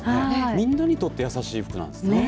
みんなにとってやさしい服なんですね。